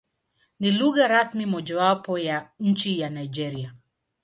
Ni lugha rasmi mojawapo ya nchi ya Nigeria.